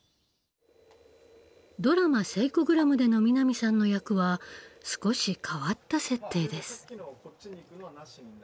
ドラマ「セイコグラム」での南さんの役は少し変わった設定です。